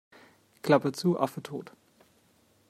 Klappe zu, Affe tot.